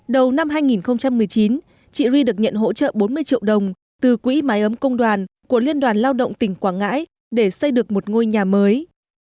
đầu năm hai nghìn một mươi chín chị ri được nhận hỗ trợ bốn mươi triệu đồng từ quỹ máy ấm công đoàn của liên đoàn lao động tỉnh quảng ngãi để xây được một ngôi nhà mới